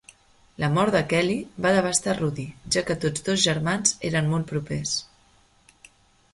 La mort de Kelly va devastar Rudy, ja que tots dos germans eren molt propers.